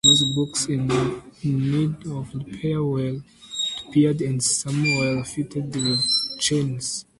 Those books in need of repair were repaired and some were fitted with chains.